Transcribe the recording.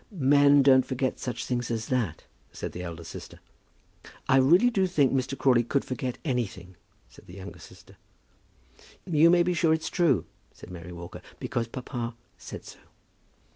"Men don't forget such things as that," said the elder sister. "I really do think Mr. Crawley could forget anything," said the younger sister. "You may be sure it's true," said Mary Walker, "because papa said so."